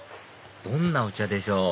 どんなお茶でしょう？